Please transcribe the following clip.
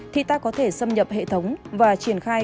thì ta có thể xâm nhập hệ thống và triển khai